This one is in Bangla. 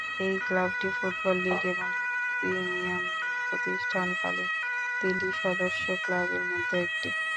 এই ক্লাবটি ফুটবল লীগ এবং প্রিমিয়ার লীগ প্রতিষ্ঠাকালীন তিনটি সদস্য ক্লাবের মধ্যে একটি।